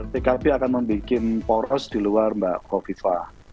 pkb akan membuat poros di luar hovifah